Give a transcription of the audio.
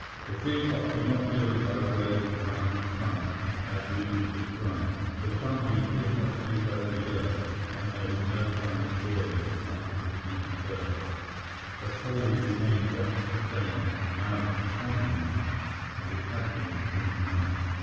The tree tops were not gilded by the rays of the rising sun, as usually described, the sunbeams did not creep over the earth and there was no sign of joy in the flight of the sleepy birds. The cold remained just the same now that the sun was up as it had been in the night.